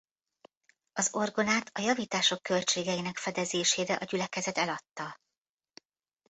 Az orgonát a javítások költségeinek fedezésére a gyülekezet eladta.